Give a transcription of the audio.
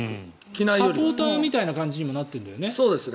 サポーターみたいな感じにもなってるんだよね。